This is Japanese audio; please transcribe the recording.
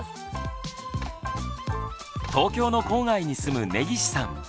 東京の郊外に住む根岸さん。